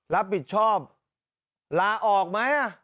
รับผิดชอบลาออกไหม